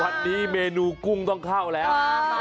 วันนี้เมนูกุ้งต้องเข้าแล้ว